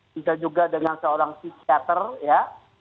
bisa juga dengan seorang psikiater ya